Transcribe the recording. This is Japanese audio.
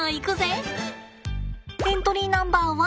エントリーナンバー１。